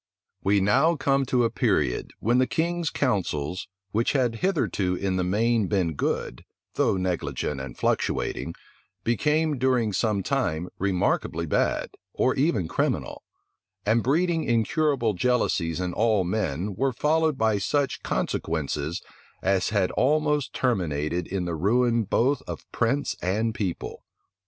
We now come to a period when the king's counsels, which had hitherto in the main been good, though negligent and fluctuating, became, during some time, remarkably bad, or even criminal; and breeding incurable jealousies in all men, were followed by such consequences as had almost terminated in the ruin both of prince and people.